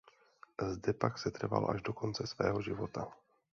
Zde pak setrval až do konce svého života.